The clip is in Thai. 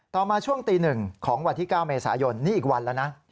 ต่อมาช่วงตี๑ของวันที่๙เมษายนนี่อีกวันแล้วนะ